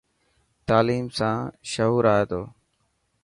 تعليم سان شهو آئي تو.